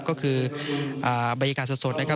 ก็คือบรรยากาศสดนะครับ